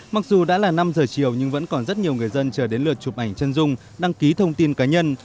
mặc dù đã là năm giờ chiều nhưng vẫn còn rất nhiều người dân chờ đến lượt chụp ảnh chân dung đăng ký thông tin cá nhân